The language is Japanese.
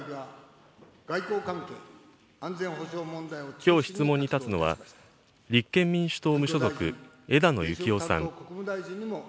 きょう質問に立つのは、立憲民主党・無所属、枝野幸男さん。